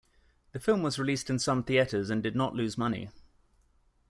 The film was released in some theaters and did not lose money.